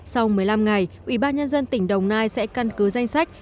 sau một mươi năm ngày ủy ban nhân dân tỉnh đồng nai sẽ căn cứ danh sách